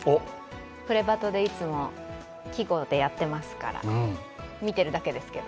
「プレバト！！」でいつも季語でやっていますから、見てるだけですけど。